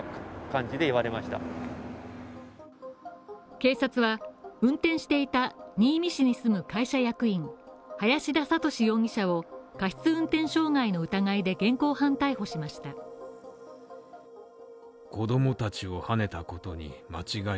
警察は運転していた新見市に住む会社役員林田覚容疑者を過失運転傷害の疑いで現行犯逮捕しました。